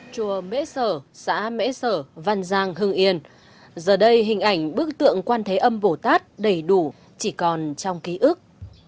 chùa mễ sở xã mễ sở văn giang hưng yên giờ đây hình ảnh bức tượng quan thế âm vồ tát đầy đủ chỉ còn trong ký ức